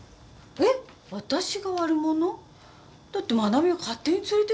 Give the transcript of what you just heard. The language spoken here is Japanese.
えっ私が悪者？だって真奈美が勝手に連れてきたんでしょ。